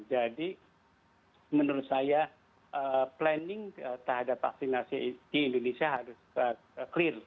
jadi menurut saya planning terhadap vaksinasi di indonesia harus clear